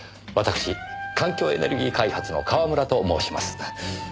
わたくし環境エネルギー開発の川村と申します。